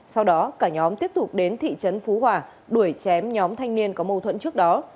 sau đó cả nhóm tiếp tục đến thị trấn phú hòa đuổi chém nhóm thanh niên có mâu thuẫn trước đó